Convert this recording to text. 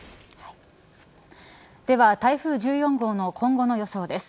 では台風１４号の今後の予想です。